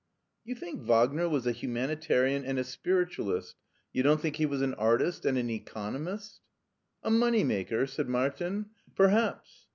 "You think Wagner was a humanitarian and a spiritualist; you don't think he was an artist and an economist ?"" A money maker? " said Martin. " Perhaps.